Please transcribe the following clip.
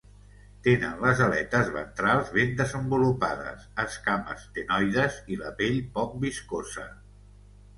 Tenen les aletes ventrals ben desenvolupades, escames ctenoides i la pell poc viscosa.